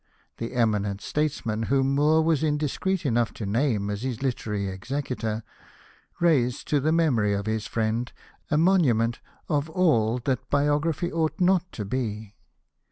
The eminent statesman whom Moore was indiscreet enough to name as his literary executor raised to the memory of his friend a monument of all that biography ought not to be.